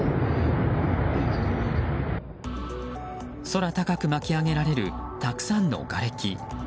空高く巻き上げられるたくさんのがれき。